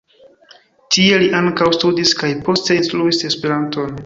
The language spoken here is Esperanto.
Tie li ankaŭ studis kaj poste instruis Esperanton.